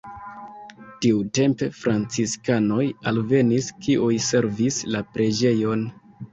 Tiutempe franciskanoj alvenis, kiuj servis la preĝejon.